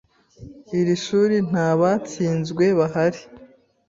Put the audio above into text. iri shuri ntabatsinzwe bahari